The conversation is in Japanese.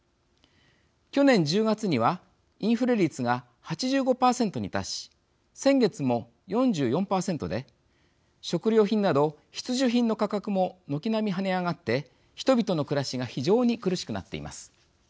去年１０月にはインフレ率が８５％に達し先月も４４％で食料品など必需品の価格も軒並み跳ね上がって人々の暮らしが非常に苦しくなっています。